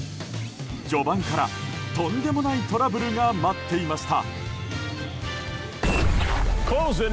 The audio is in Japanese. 序盤からとんでもないトラブルが待っていました。